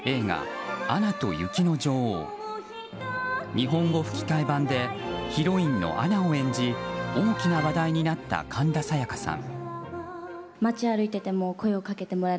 日本語吹き替え版でヒロインのアナを演じ大きな話題になった神田沙也加さん。